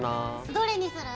どれにする？